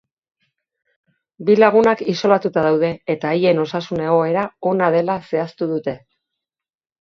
Bi lagunak isolatuta daude eta haien osasun egoera ona dela zehaztu dute.